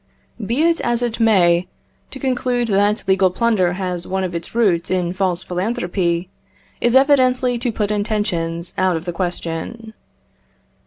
Be it as it may, to conclude that legal plunder has one of its roots in false philanthropy, is evidently to put intentions out of the question.